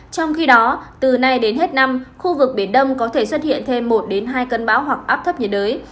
trong khi đó từ nay đến hết năm khu vực biển đông có thể xuất hiện thêm một hai cơn bão hoặc áp thấp nhiệt đới